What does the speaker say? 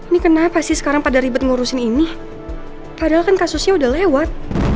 ini kenapa sih sekarang pada ribet ngurusin ini padahal kan kasusnya udah lewat